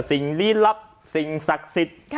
สิ่งลี้ลับสิ่งศักดิ์สิทธิ์